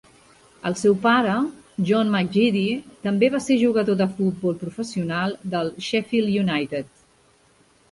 El seu pare, John McGeady, també va ser jugador de futbol professional del Sheffield United.